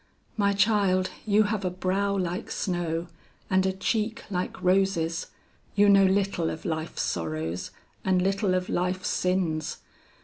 "My child, you have a brow like snow, and a cheek like roses; you know little of life's sorrows and little of life's sins.